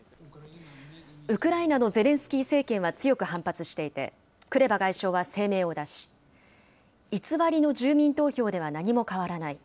ウクライナのゼレンスキー政権は強く反発していて、クレバ外相は声明を出し、偽りの住民投票では何も変わらない。